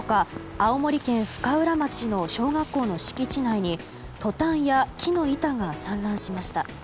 青森県深浦町の小学校の敷地内にトタンや木の板が散乱しました。